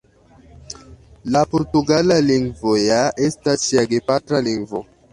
La portugala lingvo ja estas ŝia gepatra lingvo.